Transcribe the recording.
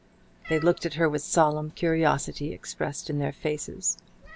They looked at her with solemn curiosity expressed in their faces.